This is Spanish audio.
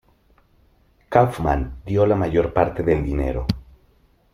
Kauffman dio la mayor parte del dinero.